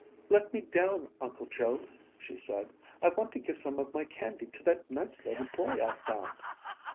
"Let me down, Uncle Joe," she said, "I want to give some of my candy to that nice little boy I found."